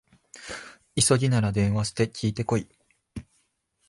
急ぎなら電話して聞いてこい